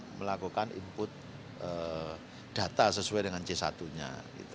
untuk melakukan input data sesuai dengan c satu nya